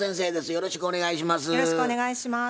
よろしくお願いします。